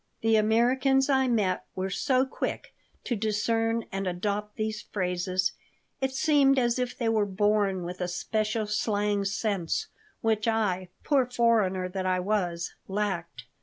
The Americans I met were so quick to discern and adopt these phrases it seemed as if they were born with a special slang sense which I, poor foreigner that I was, lacked.